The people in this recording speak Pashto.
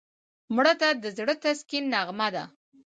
مړه ته د زړه تسکین نغمه ده